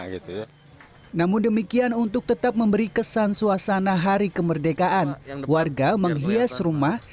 gitu ya namun demikian untuk tetap memberi kesan suasana hari kemerdekaan warga menghias rumah